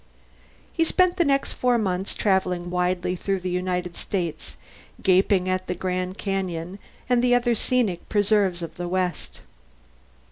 He spent the next four months travelling widely through the United States, gaping at the Grand Canyon and the other scenic preserves of the west.